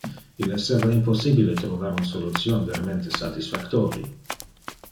Il esseva impossibile trovar un solution vermente satisfactori.